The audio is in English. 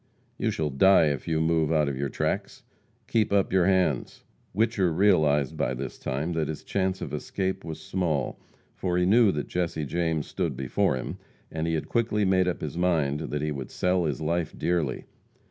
"You shall die if you move out of your tracks! Keep up your hands!" Whicher realized by this time that his chance of escape was small, for he knew that Jesse James stood before him, and he had quickly made up his mind that he would sell his life dearly.